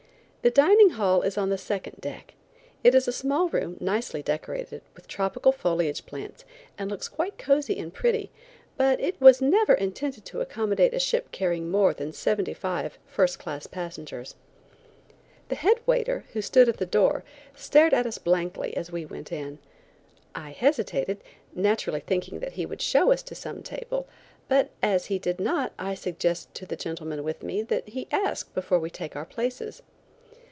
The dining hall is on the second deck. It is a small room nicely decorated with tropical foliage plants and looks quite cozy and pretty, but it was never intended to accommodate a ship carrying more than seven five first class passengers. The head waiter, who stood at the door, stared at us blankly as we went in. I hesitated, naturally thinking that he would show us to some table, but as he did not I suggested to the gentleman with me, that he ask before we take our places.